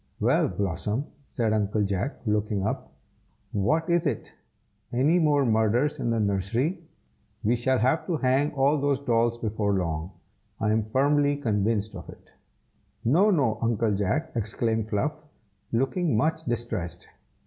"Well, Blossom!" said Uncle Jack, looking up, "what is it? any more murders in the nursery? we shall have to hang all those dolls before long, I am firmly convinced of it." "No! no! Uncle Jack," exclaimed Fluff, looking much distressed.